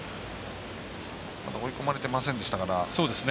追い込まれてませんでしたから。